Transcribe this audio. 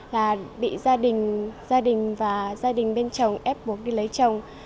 là bị gia đình gia đình và gia đình bên chồng ép buộc đi lấy chồng